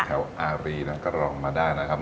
แถวอารีนะก็ลองมาได้นะครับ